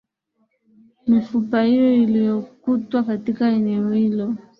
mifupa hiyo iliyokutwa katika eneo hilo